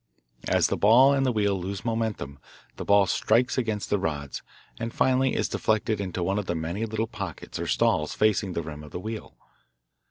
As the ball and the wheel lose momentum the ball strikes against the rods and finally is deflected into one of the many little pockets or stalls facing the rim of the wheel.